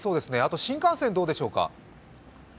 新幹線どうでしょうか？